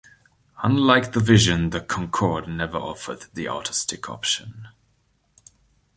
Unlike the Vision, the Concorde never offered the autostick option.